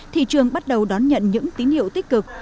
thị trường bắt đầu đón nhận những tín hiệu tích cực